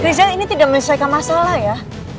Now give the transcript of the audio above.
rizal ini tidak menyelesaikan masalah ya